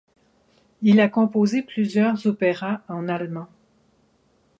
Il a composé plusieurs opéras en allemand.